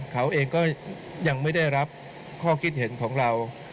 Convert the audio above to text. เขาเองก็ยังไม่ได้รับข้อคิดเห็นของเรา